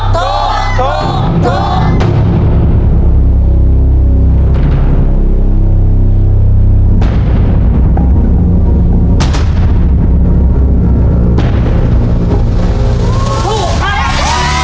โทษโทษโทษโทษ